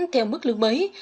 theo mức lương mới